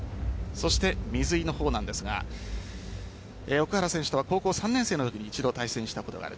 水井の方なんですが奥原選手が高校３年生のときに一度、対戦したことがある。